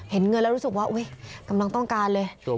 เงินแล้วรู้สึกว่ากำลังต้องการเลย